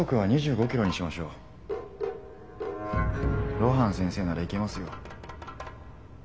露伴先生ならいけますよ。